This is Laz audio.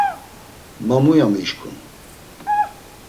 Ma muya mişǩun!